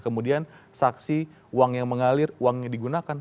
kemudian saksi uang yang mengalir uang yang digunakan